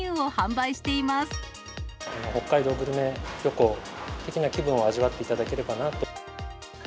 グルメ旅行的な気分を味わっていただければなと。